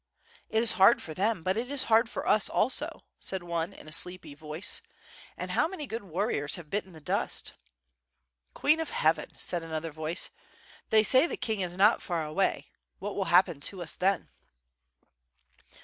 •*It is hard for them, but it is hard for us also," said one, in a sleepy voice, "and how many good warriors have bitten the dust.'' "Queen of Heaven,*' said another voice. "They say the king is not far away. ... what will happen to us then?